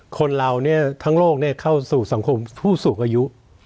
คนเราทั้งโลกเข้าสู่สังคมผู้สูงอายุ